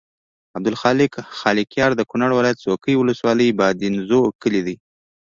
عبدالخالق خالقیار د کونړ ولایت څوکۍ ولسوالۍ بادینزو کلي دی.